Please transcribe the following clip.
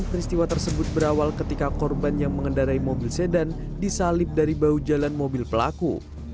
peristiwa tersebut berawal ketika korban yang mengendarai mobil sedan disalip dari bahu jalan mobil pelaku